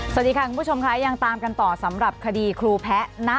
สวัสดีค่ะคุณผู้ชมค่ะยังตามกันต่อสำหรับคดีครูแพ้นะ